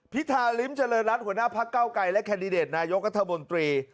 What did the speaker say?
พิธาริมเจริญรัฐหัวหน้าพักเก้าไกรและแคนดิเดตนายกัธมนตรี